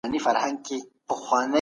موږ د دې توپير کوو.